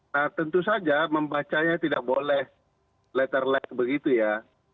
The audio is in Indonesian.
nah tentu saja membacanya tidak boleh letter lack begitu ya